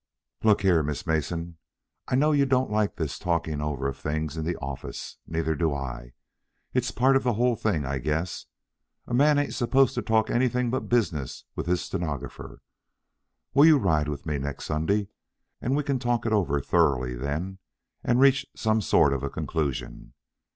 "Look here, Miss Mason, I know you don't like this talking over of things in the office. Neither do I. It's part of the whole thing, I guess; a man ain't supposed to talk anything but business with his stenographer. Will you ride with me next Sunday, and we can talk it over thoroughly then and reach some sort of a conclusion.